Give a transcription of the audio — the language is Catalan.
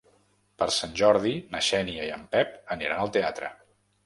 Per Sant Jordi na Xènia i en Pep aniran al teatre.